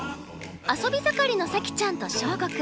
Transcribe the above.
遊び盛りの早季ちゃんと匠吾君